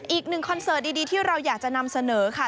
คอนเสิร์ตดีที่เราอยากจะนำเสนอค่ะ